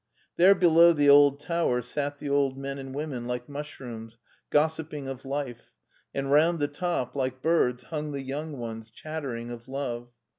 There below the old tower sat the old men and women like mushrooms, gossiping of life, and round the top like birds hung the young ones, chattering of love.